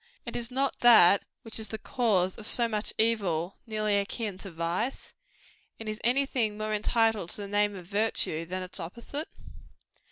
And is not that which is the cause of so much evil, nearly akin to vice? And is any thing more entitled to the name of virtue, than its opposite?